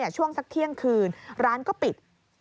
ช่วงสักเที่ยงคืนร้านก็ปิด